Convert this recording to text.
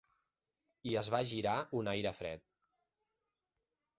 I es va girar un aire fred.